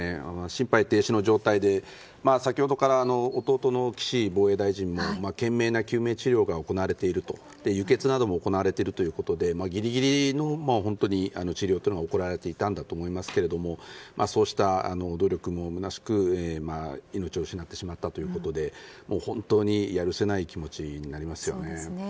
心肺停止の状態で先ほどから、弟の岸防衛大臣も懸命な救命治療が行われている輸血なども行われているということでギリギリの治療が行われていたと思いますけれどもそうした努力もむなしく命を失ってしまったということで本当にやるせない気持ちになりますよね。